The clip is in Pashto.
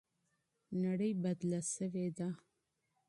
نړۍ بدله سوې ده.